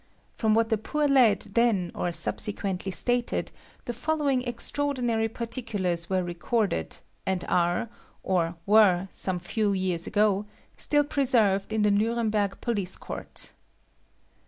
From what the poor lad then or subsequently stated, the following extraordinary particulars were recorded, and are, or were some few years ago, still preserved in the Nuremberg Police Court.